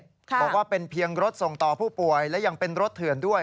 บอกว่าเป็นเพียงรถส่งต่อผู้ป่วยและยังเป็นรถเถื่อนด้วย